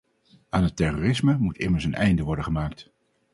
Aan het terrorisme moet immers een einde worden gemaakt.